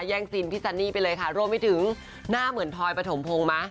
แย่งซีนพี่ซันนี่ไปเลยค่ะรวมไปถึงหน้าเหมือนทอยปฐมพงศ์ไหม